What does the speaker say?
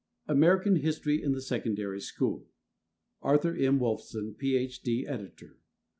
American History in the Secondary School ARTHUR M. WOLFSON, PH.D., Editor.